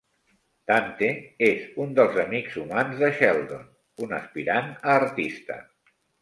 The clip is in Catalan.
Dante: és un dels amics humans de Sheldon, un aspirant a artista.